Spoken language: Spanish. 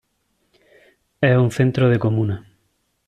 Es un centro de comuna.